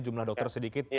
jumlah dokter sedikit